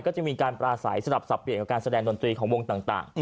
ก็จะมีการปราศัยสลับสับเปลี่ยนกับการแสดงดนตรีของวงต่าง